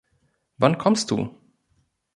Wann kommst du?